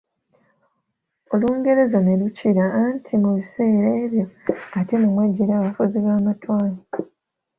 Olungereza ne lukira anti mu biseera ebyo ate mwemwajjira abafuzi b’amatwale.